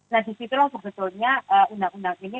nah di situ sebetulnya undang undang ini